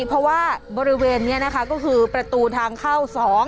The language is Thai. เพราะว่าบริเวณนี้นะคะก็คือประตูทางเข้า๒